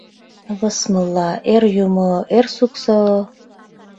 Высмылла, Эр Юмо, Эр Суксо!